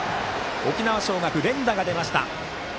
沖縄尚学、連打が出ました。